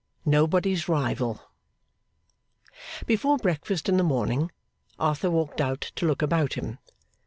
Nobody's Rival Before breakfast in the morning, Arthur walked out to look about him.